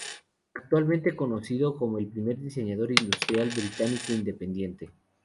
Actualmente conocido como el primer diseñador industrial británico independiente.